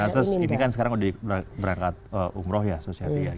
nah sus ini kan sekarang udah diberangkat umroh ya susiati ya